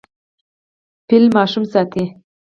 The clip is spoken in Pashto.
فیل ماشوم ساتي.